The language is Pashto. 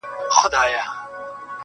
دا څو شپې کيږي په خوب هره شپه موسی وينم~